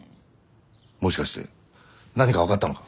もしかして何か分かったのか？